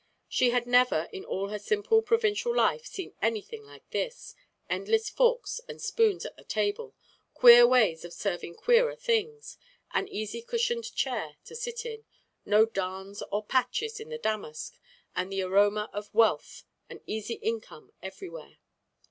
She had never, in all her simple provincial life, seen anything like this endless forks and spoons at the table; queer ways of serving queerer things; an easy cushioned chair to sit in; no darns or patches in the damask; and the aroma of wealth, an easy income everywhere.